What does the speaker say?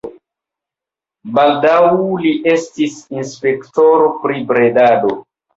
Baldaŭ li estis inspektoro pri bredado.